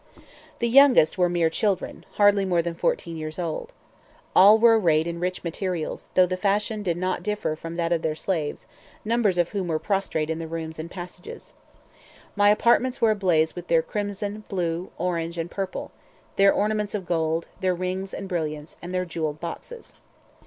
The youngest were mere children, hardly more than fourteen years old. All were arrayed in rich materials, though the fashion did not differ from that of their slaves, numbers of whom were prostrate in the rooms and passages. My apartments were ablaze with their crimson, blue, orange, and purple, their ornaments of gold, their rings and brilliants, and their jewelled boxes.